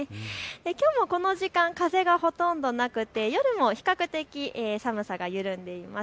きょうもこの時間、風がほとんどなくて夜も比較的、寒さが緩んでいます。